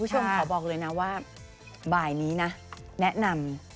คุณผู้ชมขอบอกเลยนะว่าบ่ายนี้นะแนะนำ